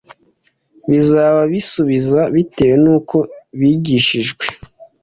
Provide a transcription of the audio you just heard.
Bazabisubiza bitewe nuko bigishijwe